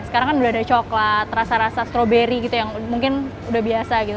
sekarang kan udah ada coklat rasa rasa stroberi gitu yang mungkin udah biasa gitu